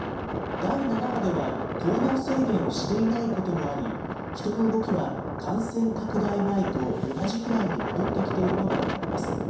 第７波では、行動制限をしていないこともあり、人の動きは、感染拡大前と同じくらいに戻ってきているのが分かります。